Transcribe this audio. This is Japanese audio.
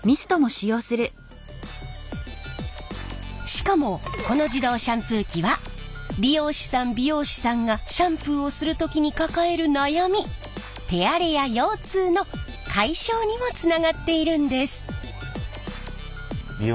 しかもこの自動シャンプー機は理容師さん美容師さんがシャンプーをする時に抱える悩み手荒れや腰痛の解消にもつながっているんです。